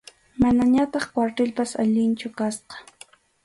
Manañataq kwartilpas alinchu kasqa.